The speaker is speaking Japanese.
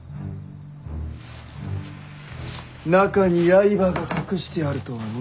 中に刃が隠してあるとはの。